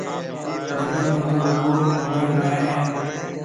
جبل ۾ تو رگو بگڙ رهيَ هيَ۔